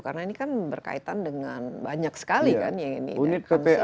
karena ini kan berkaitan dengan banyak sekali kan ya ini